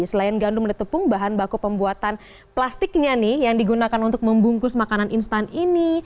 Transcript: selain gandum menit tepung bahan baku pembuatan plastiknya nih yang digunakan untuk membungkus makanan instan ini